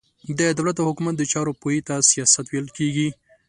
د دولت او حکومت د چارو پوهي ته سياست ويل کېږي.